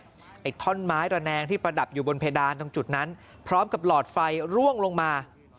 ไอ้ท่อนไม้ระแนงที่ประดับอยู่บนเพดานตรงจุดนั้นพร้อมกับหลอดไฟร่วงลงมา